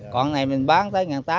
còn cái này mình bán tới một ngàn tám